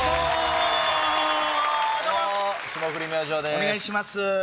お願いします